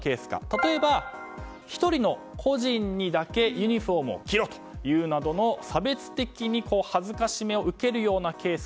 例えば、１人の個人にだけユニホームを着ろと言うなどの差別的に辱めを受けるようなケース